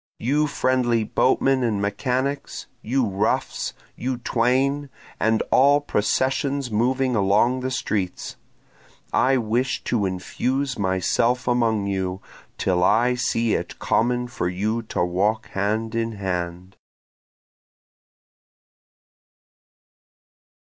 You friendly boatmen and mechanics! you roughs! You twain! and all processions moving along the streets! I wish to infuse myself among you till I see it common for you to walk hand in hand.